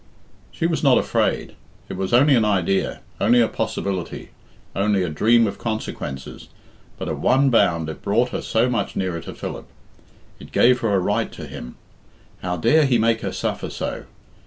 She was not afraid. It was only an idea, only a possibility, only a dream of consequences, but at one bound it brought her so much nearer to Philip. It gave her a right to him. How dare he make her suffer so?